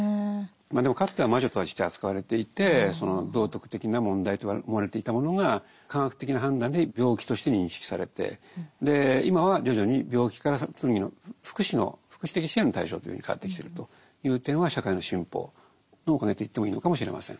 でもかつては魔女として扱われていて道徳的な問題と思われていたものが科学的な判断で病気として認識されて今は徐々に病気から次の福祉の福祉的支援の対象というふうに変わってきてるという点は社会の進歩のおかげと言ってもいいのかもしれません。